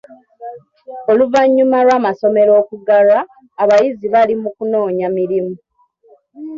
Oluvannyuma lw'amasomero okuggalwa, abayizi bali mu kunoonya mirimu.